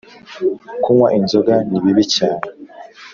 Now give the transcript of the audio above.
kunywa inzoga ni bibi cyane